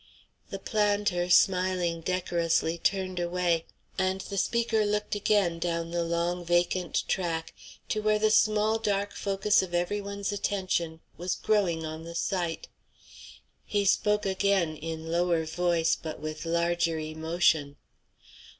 The planter, smiling decorously, turned away, and the speaker looked again down the long vacant track to where the small dark focus of every one's attention was growing on the sight. He spoke again, in lower voice but with larger emotion.